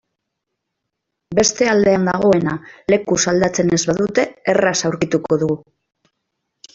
Beste aldean dagoena lekuz aldatzen ez badute erraz aurkituko dugu.